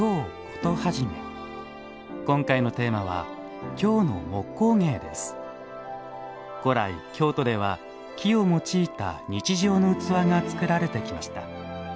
古来、京都では木を用いた日常の器が作られてきました。